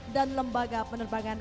dan lembaga penerbangan